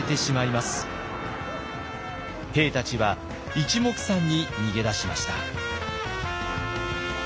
兵たちはいちもくさんに逃げ出しました。